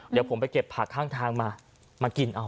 เดี๋ยวผมไปเก็บผักข้างทางมามากินเอา